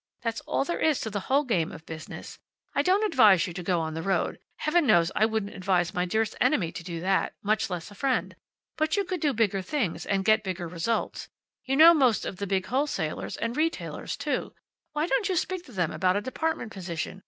That's all there is to the whole game of business. I don't advise you to go on the road. Heaven knows I wouldn't advise my dearest enemy to do that, much less a friend. But you could do bigger things, and get bigger results. You know most of the big wholesalers, and retailers too. Why don't you speak to them about a department position?